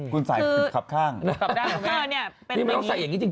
คุณใส่คือขับข้างนี่มันต้องใส่อย่างนี้จริง